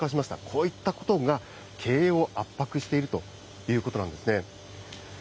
こういったことが経営を圧迫しているということなんですね。